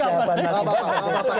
bapak bapak bapak